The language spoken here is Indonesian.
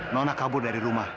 nona kabur dari rumah